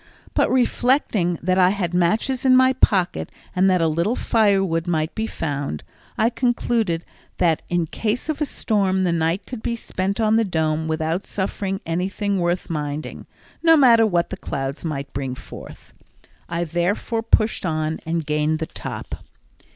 But reflecting that I had matches in my pocket, and that a little firewood might be found, I concluded that in case of a storm the night could be spent on the Dome without suffering anything worth minding, no matter what the clouds might bring forth. I therefore pushed on and gained the top.